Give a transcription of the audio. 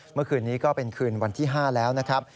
เมื่อคืนนี้ก็เป็นคืนวันที่๕แล้วนะครับ